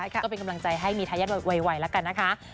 ก็เป็นกำลังใจให้มีทายาทไวแล้วกันนะคะ